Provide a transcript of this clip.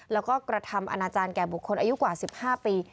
แล้วก็กระทำอนาจารย์แก่บุคคลอายุกว่า๑๕ปี